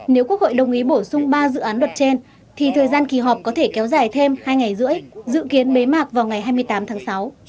nếu quốc hội đồng ý bổ sung ba dự án luật trên thì thời gian kỳ họp có thể kéo dài thêm hai ngày rưỡi dự kiến bế mạc vào ngày hai mươi tám tháng sáu